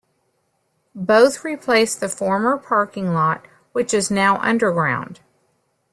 Both replace the former parking lot, which is now underground.